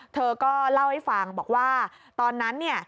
เธอก็เล่าให้ฟังบอกว่าตอนนั้นเนี่ย